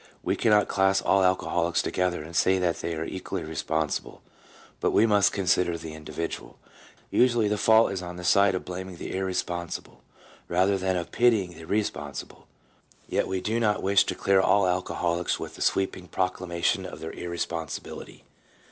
We cannot class all alcoholics together and say they are all equally responsible, but we must consider the individual. Usually the fault is on the side of blaming the irresponsible, rather than of pitying the respon sible, yet we do not wish to clear all alcoholics with a sweeping proclamation of their irresponsibility.